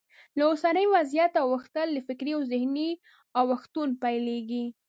له اوسني وضعیته اوښتل له فکري او ذهني اوښتون پیلېږي.